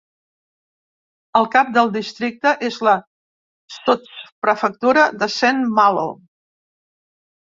El cap del districte és la sotsprefectura de Saint-Malo.